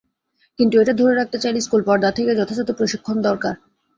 কিন্তু এটা ধরে রাখতে চাইলে স্কুল পর্যায় থেকে যথাযথ প্রশিক্ষণ দরকার।